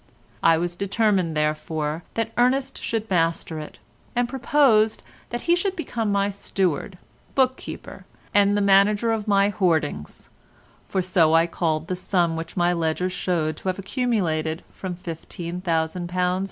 I was determined, therefore, that Ernest should master it, and proposed that he should become my steward, book keeper, and the manager of my hoardings, for so I called the sum which my ledger showed to have accumulated from £15,000 to £70,000.